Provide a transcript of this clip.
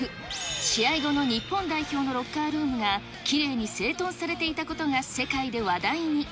試合後の日本代表のロッカールームが、きれいに整頓されていたことが世界で話題に。